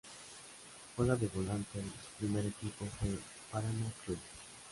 Juega de volante y su primer equipo fue Paraná Clube.